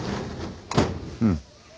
うん。